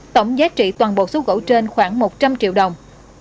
tổng giá trị toàn bộ số gỗ trên khoảng một trăm linh triệu đồng